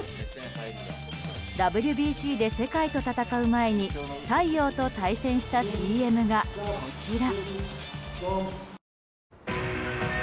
ＷＢＣで世界と戦う前に太陽と対戦したＣＭがこちら。